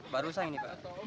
baru saja ini pak